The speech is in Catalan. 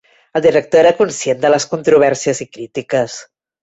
El director era conscient de les controvèrsies i crítiques.